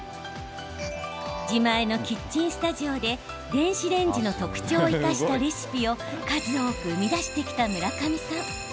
自前のキッチンスタジオで電子レンジの特徴を生かしたレシピを数多く生み出してきた村上さん。